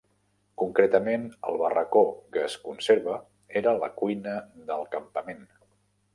Concretament, el barracó que es conserva era la cuina del campament.